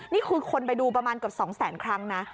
นี่คือคนไปดูประมาณกับ๒๐๐๐๐๐ครั้งนะ